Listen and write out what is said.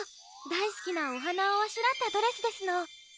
だいすきなおはなをあしらったドレスですの。